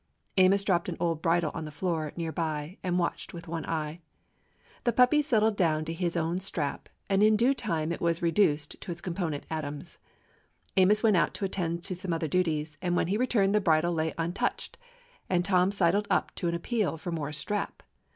Amos dropped an old bridle on the floor near by and watched with one eye. The puppy settled down to his own strap, and in 236 A DOG OF THE EASTERN STATES due time it was reduced to its component atoms. Amos went out to attend to some other duties; when he returned the bridle lay un touched, and Tom sidled up to appeal for more strap.